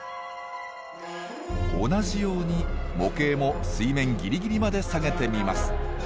同じように模型も水面ギリギリまで下げてみます。